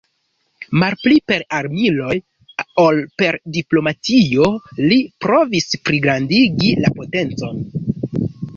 Malpli per armiloj ol per diplomatio li provis pligrandigi la potencon.